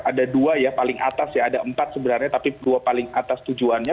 ada dua ya paling atas ya ada empat sebenarnya tapi dua paling atas tujuannya